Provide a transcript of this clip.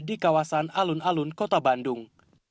di kawasan alun alun kota bandung